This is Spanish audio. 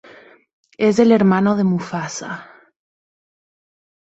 Es el hermano de Mufasa.